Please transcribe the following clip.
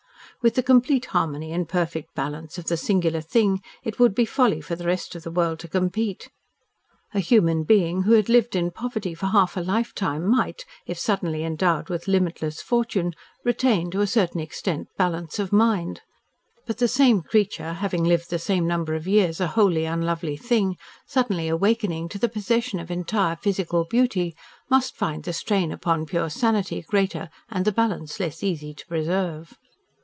With the complete harmony and perfect balance of the singular thing, it would be folly for the rest of the world to compete. A human being who had lived in poverty for half a lifetime, might, if suddenly endowed with limitless fortune, retain, to a certain extent, balance of mind; but the same creature having lived the same number of years a wholly unlovely thing, suddenly awakening to the possession of entire physical beauty, might find the strain upon pure sanity greater and the balance less easy to preserve.